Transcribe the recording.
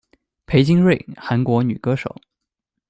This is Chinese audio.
裴津锐，韩国女歌手。